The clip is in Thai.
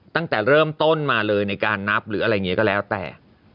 ตั้งแต่เริ่มต้นมาเลยในการนับก็แล้วแต่